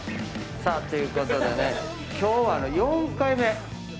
さあということでね今日は。